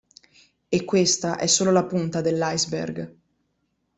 E questa è solo la punta dell'iceberg.